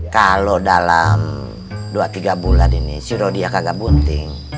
kalau dalam dua tiga bulan ini si rodia kagak bunting